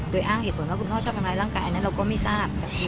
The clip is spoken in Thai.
โดยอ้างเหตุผลว่าคุณพ่อชอบทำร้ายร่างกายอันนั้นเราก็ไม่ทราบ